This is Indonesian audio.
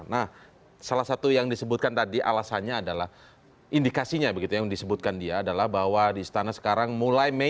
nah salah satu yang disebutkan tadi alasannya adalah indikasinya begitu yang disebutkan dia adalah bahwa di istana sekarang mulai mei